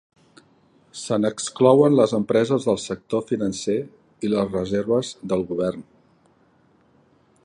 Se n'exclouen les empreses del sector financer i les reserves del govern.